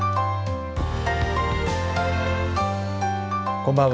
こんばんは。